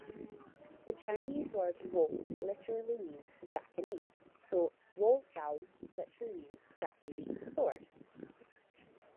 The Chinese word "wo" literally means "Japanese", so "wodao" literally means Japanese sword.